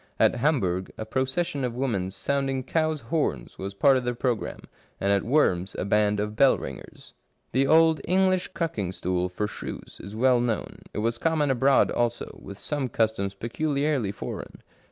At Hamburg a procession of women sound ing cows' horns was part of the programme, and at Worms a band of bell ringers. The old English cucking stool for shrews is well known ; it was common abroad also, with some customs peculiarly foreign.